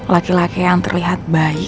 laki laki yang terlihat baik